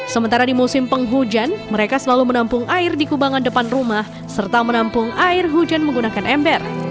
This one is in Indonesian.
sementara di musim penghujan mereka selalu menampung air di kubangan depan rumah serta menampung air hujan menggunakan ember